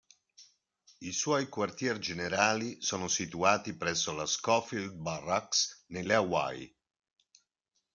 I suoi quartier generali sono situati presso le Schofield Barracks, nelle Hawaii.